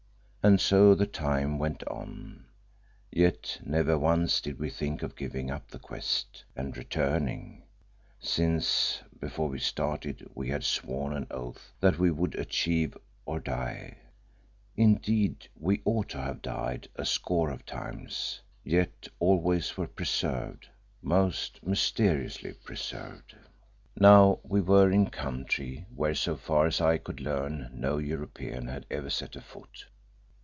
And so the time went on. Yet never once did we think of giving up the quest and returning, since, before we started, we had sworn an oath that we would achieve or die. Indeed we ought to have died a score of times, yet always were preserved, most mysteriously preserved. Now we were in country where, so far as I could learn, no European had ever set a foot.